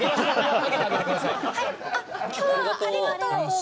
今日はありがとう。